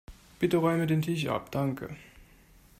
Bitte räume den Tisch ab, danke.